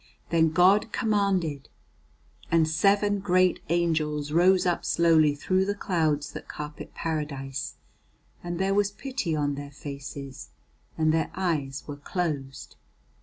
Then God commanded, and seven great angels rose up slowly through the clouds that carpet Paradise, and there was pity on their faces, and their eyes were closed.